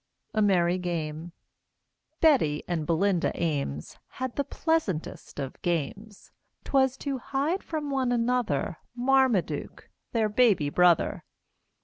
A MERRY GAME Betty and Belinda Ames Had the pleasantest of games; 'Twas to hide from one another Marmaduke, their baby brother.